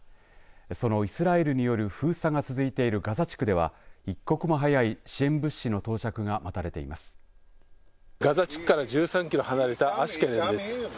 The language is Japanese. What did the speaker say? そのイスラエルによる封鎖が続いているガザ地区では一刻も早い支援物資の到着がガザ地区から１３キロ離れたアシュケロンです。